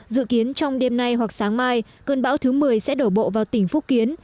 dự kiến trong đêm nay hoặc sáng mai cơn bão thứ một mươi sẽ đổ bộ vào tỉnh phúc kiến